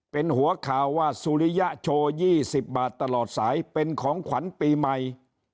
เป็นหัวข่าวว่าสุริยะโชว์๒๐บาทตลอดสายเป็นของขวัญปีใหม่